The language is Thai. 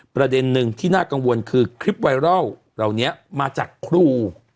ประเด็นหนึ่งที่น่ากังวลคือคลิปไวรัลเหล่านี้มาจากครู